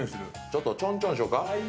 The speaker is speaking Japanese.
ちょっとチョンチョンしよか？